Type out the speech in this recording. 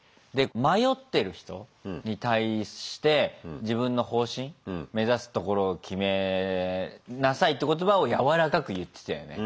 迷ってる人に対して自分の方針目指すところを決めなさいって言葉をやわらかく言ってたよね。